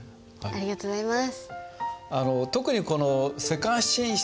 ありがとうございます。